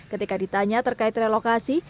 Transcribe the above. ketika ditanya terkait relokasi